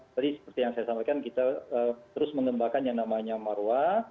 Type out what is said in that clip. tadi seperti yang saya sampaikan kita terus mengembangkan yang namanya marwa